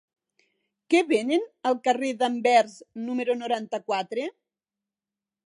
Què venen al carrer d'Anvers número noranta-quatre?